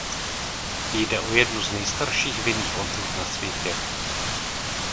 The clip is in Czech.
Jde o jednu z nejstarších vinných odrůd na světě.